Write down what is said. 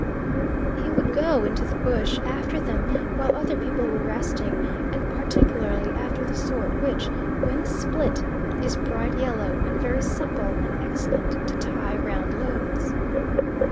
He would go into the bush after them while other people were resting, and particularly after the sort which, when split, is bright yellow, and very supple and excellent to tie round loads.